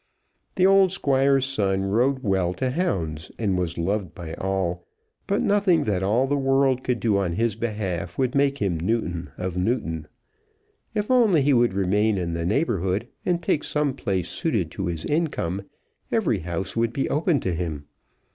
The old Squire's son rode well to hounds, and was loved by all; but nothing that all the world could do on his behalf would make him Newton of Newton. If only he would remain in the neighbourhood and take some place suited to his income, every house would be open to him.